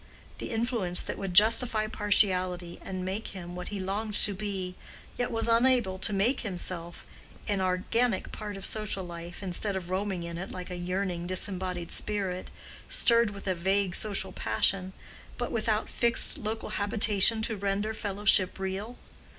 —the influence that would justify partiality, and make him what he longed to be, yet was unable to make himself—an organic part of social life, instead of roaming in it like a yearning disembodied spirit, stirred with a vague social passion, but without fixed local habitation to render fellowship real?